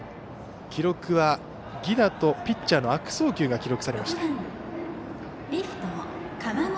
記録は犠打とピッチャーの悪送球が記録されました。